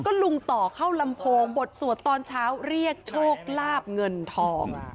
ก็ลุงต่อเข้าลำโพงบทสวดตอนเช้าเรียกโชคลาบเงินทอง